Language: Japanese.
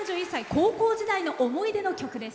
高校時代の思い出の曲です。